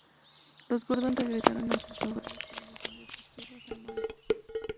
Los Gordon regresaron a sus hogares, para defender sus tierras al noreste.